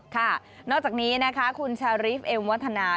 ค่ะนอกจากนี้นะคะคุณชารีฟเอ็มวัฒนา